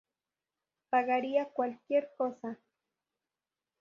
Pagaría cualquier cosa.